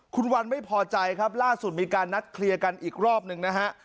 คุณวันไม่พอใจครับล่าสุดมีการนัดเคลียร์กันอีกรอบหนึ่งนะฮะ